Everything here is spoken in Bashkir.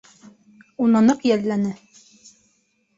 Уны ныҡ йәлләне.